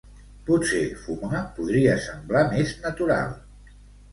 Potser fumar podria semblar més natural.